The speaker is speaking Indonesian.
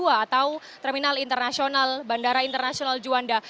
atau terminal internasional bandara internasional juanda